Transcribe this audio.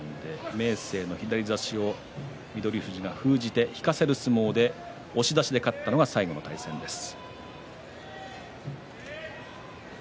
明生の左足を翠富士が封じて引かせる相撲で押し出しで勝ったのは最後の対戦です。